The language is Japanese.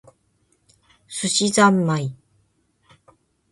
寿司ざんまい